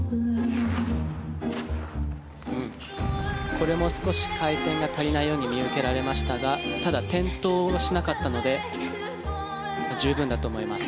これも少し回転が足りないように見受けられましたがただ、転倒しなかったので十分だと思います。